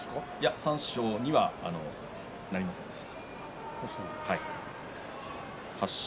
三賞にはなりませんでした。